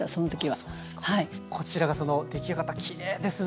こちらがその出来上がったきれいですね。